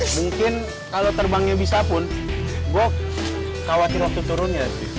mungkin kalau terbangnya bisa pun gok khawatir waktu turunnya